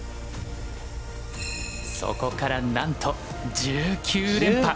そこからなんと１９連覇！